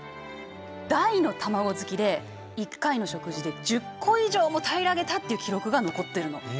大の卵好きで１回の食事で１０個以上も平らげたっていう記録が残ってるの。